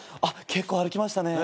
結構歩きましたね。